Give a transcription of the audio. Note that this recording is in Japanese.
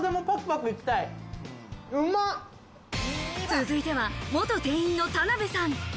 続いては元店員の田辺さん。